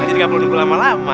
nanti nggak perlu tunggu lama lama